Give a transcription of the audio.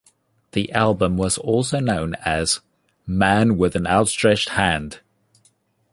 The album was also known as Man with an Outstretched Hand.